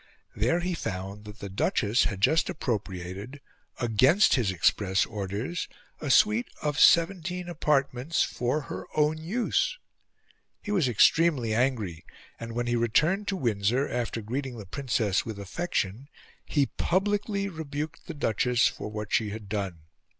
There he found that the Duchess had just appropriated, against his express orders, a suite of seventeen apartments for her own use. He was extremely angry, and, when he returned to Windsor, after greeting the Princess with affection, he publicly rebuked the Duchess for what she had done.